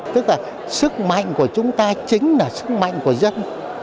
tức là sức mạnh của chúng ta chính là sức mạnh của dân